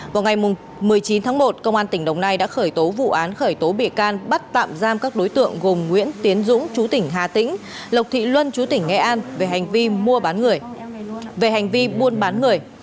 vào ngày một mươi chín tháng một công an tỉnh đồng nai đã khởi tố vụ án khởi tố bỉa can bắt tạm giam các đối tượng gồm nguyễn tiến dũng chú tỉnh hà tĩnh lộc thị luân chú tỉnh nghệ an về hành vi mua bán người